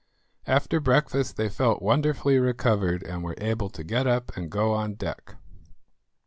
After breakfast they felt wonderfully recovered, and were able to get up and go on deck.